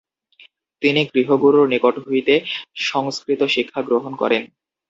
তিনি গৃহগুরুর নিকট হইতে সংস্কৃত শিক্ষা গ্রহণ করেন।